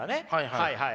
はいはい。